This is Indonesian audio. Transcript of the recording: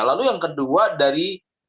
lalu yang kedua dari